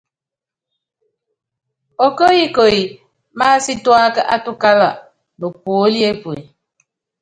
Okóyikoyi másítuáka átukála nopuóli epue.